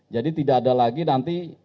jadi tidak ada lagi nanti